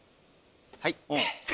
はい。